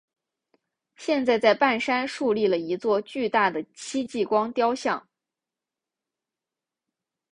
现在在半山竖立了一座巨大的戚继光雕像。